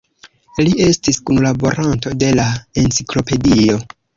Li estis kunlaboranto de la Enciklopedio.